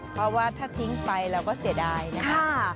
เพราะว่าถ้าทิ้งไปเราก็เสียดายนะคะ